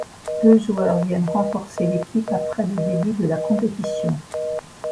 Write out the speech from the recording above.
Deux joueurs viennent renforcer l'équipe après le début de la compétition.